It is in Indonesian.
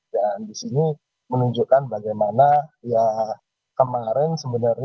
dan disini menunjukkan bagaimana ya kemarin sebenarnya